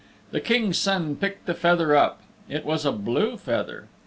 The King's Son picked the feather up. It was a blue feather.